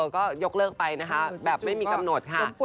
ก็ยกเลิกไปนะคะแบบไม่มีกำหนดค่ะ